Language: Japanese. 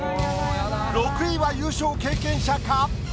６位は優勝経験者か？